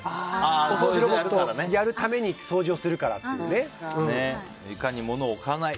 お掃除ロボットをやるために床に物を置かない。